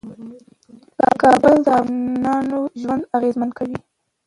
کابل د افغانانو ژوند اغېزمن کوي.